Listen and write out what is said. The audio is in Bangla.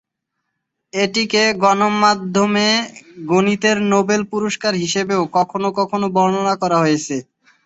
এটিকে গণমাধ্যমে গণিতের নোবেল পুরস্কার হিসেবেও কখনও কখনও বর্ণনা করা হয়েছে।